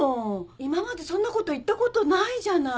今までそんなこと言ったことないじゃない。